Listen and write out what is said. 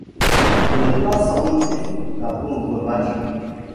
Ce n’est pas sans motif, ma pauvre Madge !